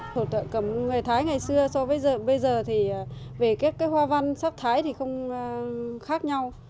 thổ cầm người thái ngày xưa so với bây giờ thì về các hoa văn sắp thái thì không khác nhau